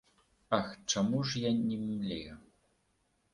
Ах, чаму ж я не млею?